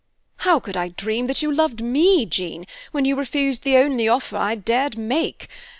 "How could I dream that you loved me, Jean, when you refused the only offer I dared make?